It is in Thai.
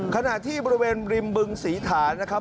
ขณะที่บริเวณริมบึงศรีฐาน